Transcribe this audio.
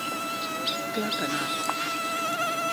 Clar que no.